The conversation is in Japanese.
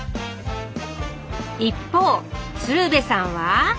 一方鶴瓶さんは？